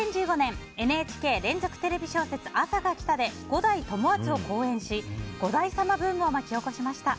２０１５年ＮＨＫ連続テレビ小説「あさが来た」で五代友厚を好演し五代様ブームを巻き起こしました。